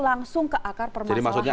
langsung ke akar permasalahan jadi maksudnya